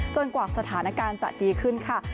กว่าสถานการณ์จะดีขึ้นค่ะ